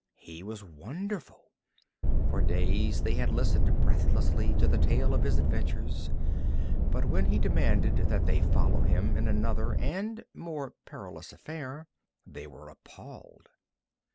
He was wonderful. For days they had listened breathlessly to the tale of his adventures, but when he demanded that they follow him in another and more perilous affair, they were appalled.